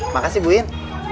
makasih bu iin